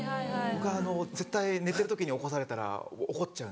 僕絶対寝てる時に起こされたら怒っちゃうんで。